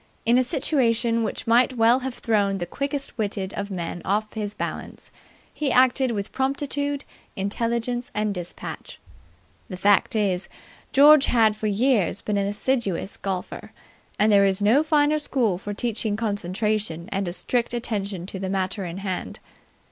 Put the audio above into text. In a situation which might well have thrown the quickest witted of men off his balance, he acted with promptitude, intelligence and despatch. The fact is, George had for years been an assiduous golfer; and there is no finer school for teaching concentration and a strict attention to the matter in hand.